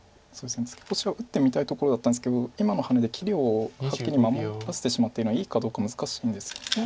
ツケコシは打ってみたいところだったんですけど今のハネで切りをはっきり守らせてしまっているのはいいかどうか難しいんです。